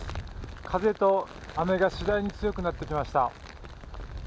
風と雨が次第に強くなってきました。